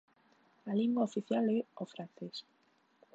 A lingua oficial é o francés.